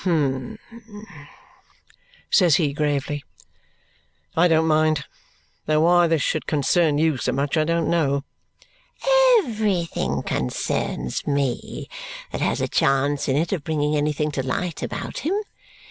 "Hum!" says he gravely. "I don't mind that. Though why this should concern you so much, I don't know." "Everything concerns me that has a chance in it of bringing anything to light about him.